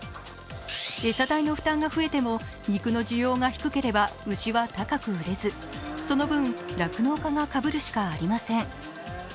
餌代の負担が増えても肉の需要が低ければ、牛は高く売れずその分、酪農家がかぶるしかありません。